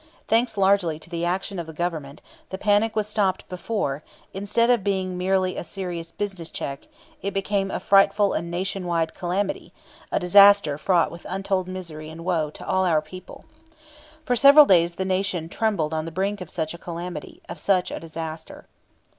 Thanks largely to the action of the Government, the panic was stopped before, instead of being merely a serious business check, it became a frightful and Nation wide calamity, a disaster fraught with untold misery and woe to all our people. For several days the Nation trembled on the brink of such a calamity, of such a disaster.